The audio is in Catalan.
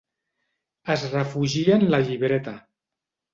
Es refugia en la llibreta.